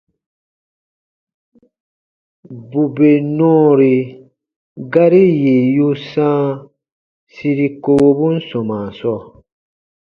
Bù bè nɔɔri gari yì yu sãa siri kowobun sɔmaa sɔɔ,